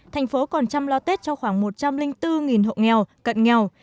thành phố còn chăm lo tết cho khoảng một trăm linh bốn hộ nghèo cận nghèo